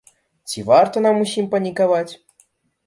Ці варта нам усім панікаваць?